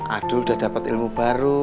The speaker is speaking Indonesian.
adul udah dapet ilmu baru